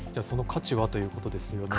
その価値はということですよね。